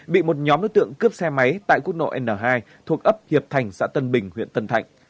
bị một nhóm đối tượng cướp xe máy tại quốc lộ n hai thuộc ấp hiệp thành xã tân bình huyện tân thạnh